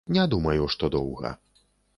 Не думаю, што доўга.